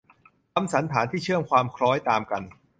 คำสันธานที่เชื่อมความคล้อยตามกัน